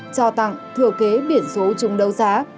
cho tặng thừa kế biển số chung đấu giá